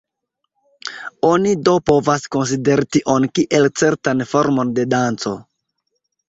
Oni do povas konsideri tion kiel certan formon de danco.